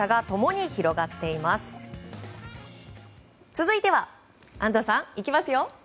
続いては安藤さん、いきますよ。